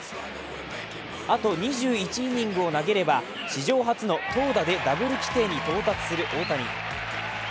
あと２１イニングを投げれば史上初の投打でダブル規定に到達する大谷。